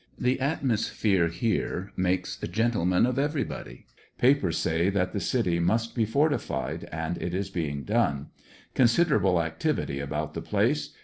The atmosphere here makes gentlemen of everybody. Papers say that the city must be fortified, and it is being done. Considerable activity about the place.